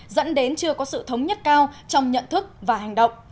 dẫn đến chưa có sự thống nhất cao trong nhận thức và hành động